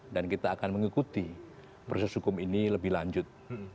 dan kita akan mengikuti proses hukum ini lebih lanjut